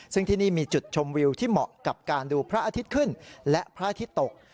ซึ่งที่นี่มีจุดชมวิวที่เหมาะกับการดูพระอาทิตย์ขึ้นและพระอาทิตย์ตก